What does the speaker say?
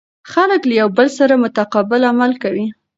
خلک له یو بل سره متقابل عمل کوي.